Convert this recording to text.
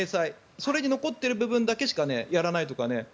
それに残っている部分だけしかやらないとか。